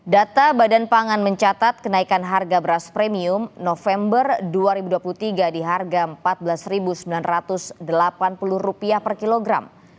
data badan pangan mencatat kenaikan harga beras premium november dua ribu dua puluh tiga di harga rp empat belas sembilan ratus delapan puluh per kilogram